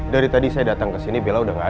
dari tadi saya datang ke sini bella udah gak ada